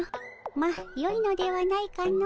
まあよいのではないかの。